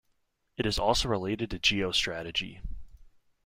It is also related to geostrategy.